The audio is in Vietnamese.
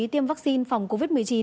tiêm vaccine phòng covid một mươi chín